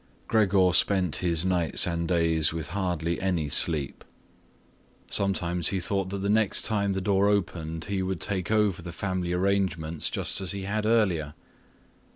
Gregor spent his nights and days with hardly any sleep. Sometimes he thought that the next time the door opened he would take over the family arrangements just as he had earlier.